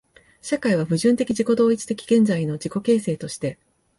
社会は矛盾的自己同一的現在の自己形成として、